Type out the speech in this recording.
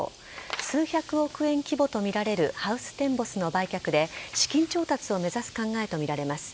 数百億円規模とみられるハウステンボスの売却で資金調達を目指す考えとみられます。